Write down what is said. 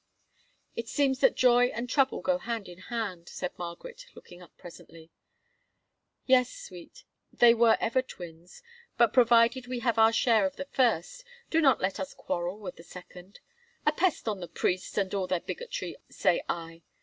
"It seems that joy and trouble go hand in hand," said Margaret, looking up presently. "Yes, Sweet, they were ever twins; but provided we have our share of the first, do not let us quarrel with the second. A pest on the priests and all their bigotry, say I!